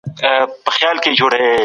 کمپيوټر ايسي چالانه کوي.